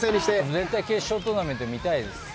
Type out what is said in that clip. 絶対決勝トーナメント見たいです。